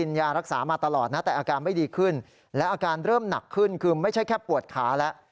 นักขึ้นคือไม่ใช่แค่ปวดขาแล้ว